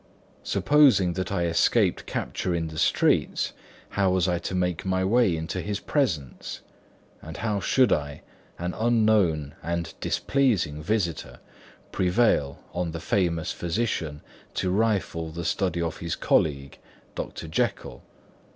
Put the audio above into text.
Supposing that I escaped capture in the streets, how was I to make my way into his presence? and how should I, an unknown and displeasing visitor, prevail on the famous physician to rifle the study of his colleague, Dr. Jekyll?